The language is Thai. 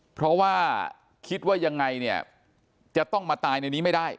เพราะว่าคิดว่ายังไงเนี่ยจะต้องมาตายในนี้ไม่ได้